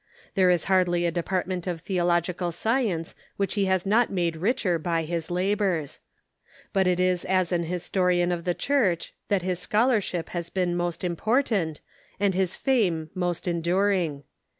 There is hardly a depart ment of theological science which he has not made richer b}^ his labors. But it is as an historian of the Church that his scholarship has been most important and his fame most en during.